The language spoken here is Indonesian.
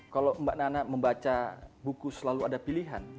kalau mbak nana membaca buku selalu ada pilihan